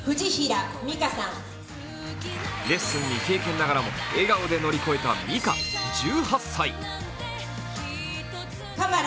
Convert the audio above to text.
レッスン未経験ながらも笑顔で乗り越えたミカ１８歳。